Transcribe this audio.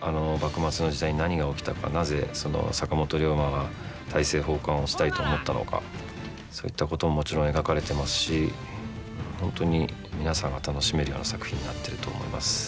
あの幕末の時代に何が起きたか、なぜ坂本龍馬が大政奉還をしたいと思ったのかそういったことももちろん描かれていますし本当に皆さんが楽しめるような作品になっていると思います。